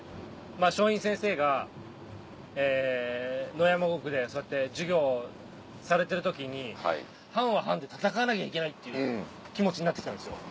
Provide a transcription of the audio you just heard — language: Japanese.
松陰先生が野山獄でそうやって授業されてる時に藩は藩で戦わなきゃいけないという気持ちになってきたんです。